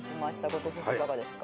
後藤選手いかがですか？